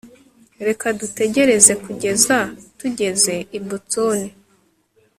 reka dutegereze kugeza tugeze i boston